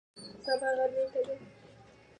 د غږ ککړتیا اعصاب خرابوي.